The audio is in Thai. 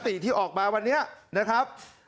ติที่ออกมาวันนี้นะครับ